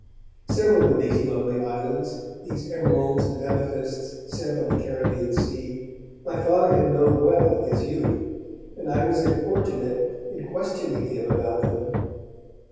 Several of these lovely islands, these emeralds and amethysts set on the Caribbean Sea, my Father had known well in his youth, and I was importunate in questioning him about them.